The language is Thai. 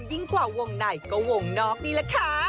ยิ่งกว่าวงในก็วงนอกนี่แหละค่ะ